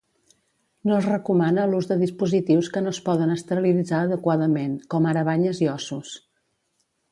No es recomana l'ús de dispositius que no es poden esterilitzar adequadament, com ara banyes i ossos.